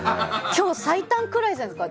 今日、最短くらいじゃないですか。